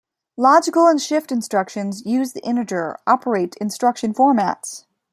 Logical and shift instructions use the integer operate instruction formats.